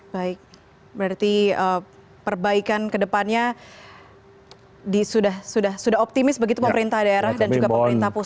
baik berarti perbaikan kedepannya sudah optimis begitu pemerintah daerah dan juga pemerintah pusat